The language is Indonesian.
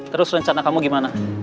terus rencana kamu gimana